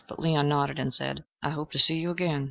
But Leon nodded and said, "I hope to see you again."